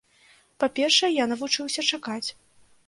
Па-першае, я навучыўся чакаць.